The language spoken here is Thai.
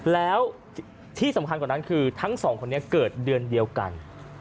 แล้วที่สำคัญกว่านั้นคือทั้งสองคนนี้เกิดเดือนเดียวกัน